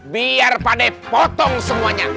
biar pade potong semuanya